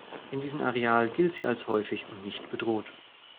In diesem Areal gilt sie als häufig und nicht bedroht.